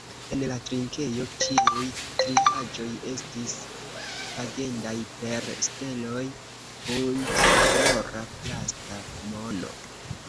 En la trinkejo ĉiuj trinkaĵoj estis pagendaj per steloj, buntkolora plasta mono.